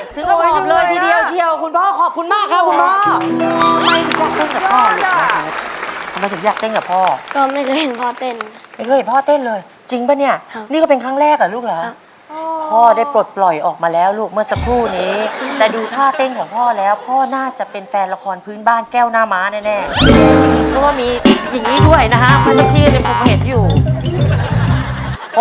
ถึงก็บอกเลยทีเดียวเชียวคุณพ่อขอบคุณมากค่ะคุณพ่อ